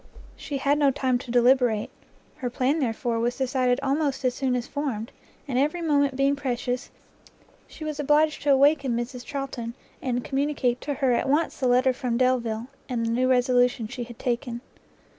She had no time to deliberate; her plan, therefore, was decided almost as soon as formed, and every moment being precious, she was obliged to awaken Mrs Charlton, and communicate to her at once the letter from Delvile, and the new resolution she had taken.